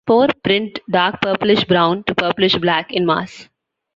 Spore-print dark purplish brown to purplish black in mass.